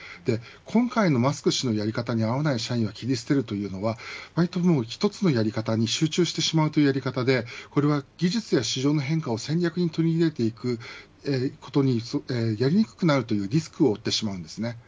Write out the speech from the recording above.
今回のマスク氏のやり方に合わない社員は切り捨てるというのはわりと一つのやり方に集中してしまうというやり方でこれは技術や市場の変化を戦略に取り入れていくことにやりにくくなるというリスクを負ってしまうんですね。